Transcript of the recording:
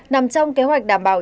nằm trong kế hoạch đảm bảo